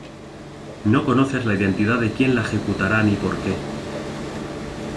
No conoces la identidad de quién la ejecutará ni por qué